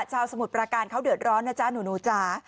สมุทรประการเขาเดือดร้อนนะจ๊ะหนูจ๋า